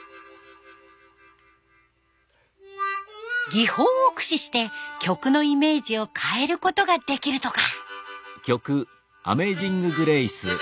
技法を駆使して曲のイメージを変えることができるとか。